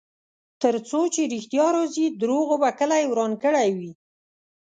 ترڅو چې ریښتیا راځي، دروغو به کلی وران کړی وي.